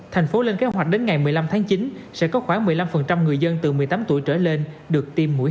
thành phố lên kế hoạch đến ngày một mươi năm tháng chín sẽ có khoảng một mươi năm người dân từ một mươi tám tuổi trở lên được tiêm mũi